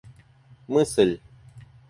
мысль